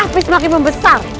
api semakin membesar